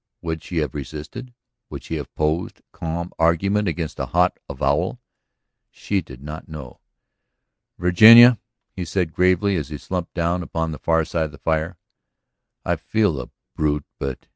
Would she have resisted, would she have opposed calm argument against a hot avowal? She did not know. "Virginia," he said gravely as he slumped down upon the far side of the fire, "I feel the brute. But ..."